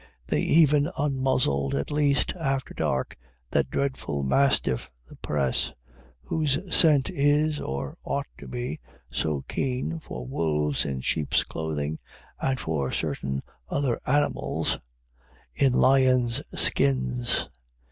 They even unmuzzled, at least after dark, that dreadful mastiff, the Press, whose scent is, or ought to be, so keen for wolves in sheep's clothing and for certain other animals in lions' skins.